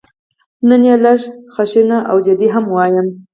نن یې لږه خشنه او جدي هم وایم.